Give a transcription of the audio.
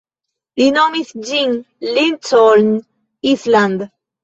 Li nomis ĝin Lincoln Island.